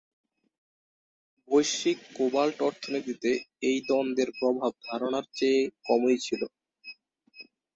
বৈশ্বিক কোবাল্ট অর্থনীতিতে এই দ্বন্দ্বের প্রভাব ধারনার চেয়ে কমই ছিলো।